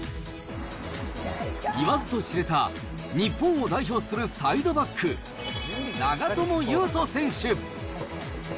言わずと知れた日本を代表するサイドバック、長友佑都選手。